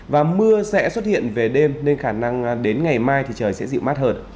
và mưa sẽ xuất hiện về đêm nên khả năng đến ngày mai thì trời sẽ dịu mát hơn